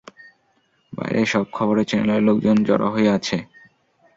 বাইরে সব খবরের চ্যানেলের লোকজন জড়ো হয়ে আছে।